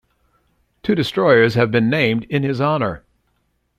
Two destroyers have been named in his honor.